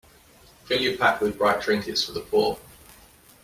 Fill your pack with bright trinkets for the poor.